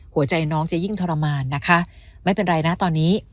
หัวใจน้องจะยิ่งทรมานนะคะไม่เป็นไรนะตอนนี้